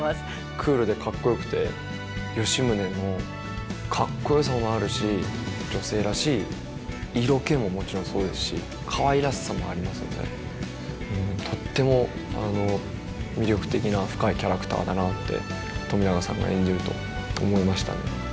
クールでかっこよくて吉宗のかっこよさもあるし女性らしい色気ももちろんそうですしかわいらしさもありますのでとっても魅力的な深いキャラクターだなって冨永さんが演じると思いましたね。